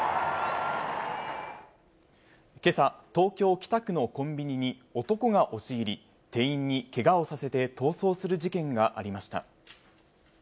けさ、東京・北区のコンビニに、男が押し入り、店員にけがをさせて逃走する事件がありました。